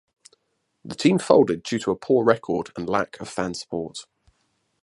The team folded due to a poor record and lack of fan support.